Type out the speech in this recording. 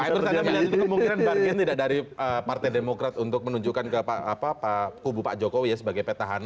pak imru ternyata melihat itu kemungkinan bargain tidak dari partai demokrat untuk menunjukkan ke pak jokowi